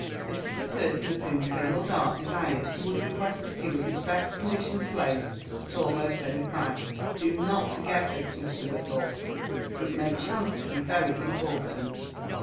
This is the person of whom Colonel Dart desired you would request a few of his best conditioned slaves at almost any price : do not forget this, Mr. Whitlaw, — it may diance to be very important.